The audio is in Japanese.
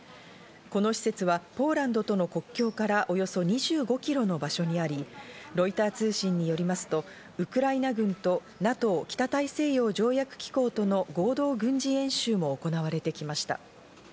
この施設はポーランドとの国境からおよそ２５キロの場所にあり、ロイター通信によりますとウクライナ軍とＮＡＴＯ＝北大西洋条約機構との合同軍事演習も行われてきました。